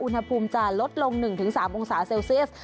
อุณหภูมิจะลดลง๑๓องศาเซลเซียส